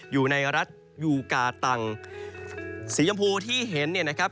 อยู่ในรัฐยูกาตังสีชมพูที่เห็นเนี่ยนะครับ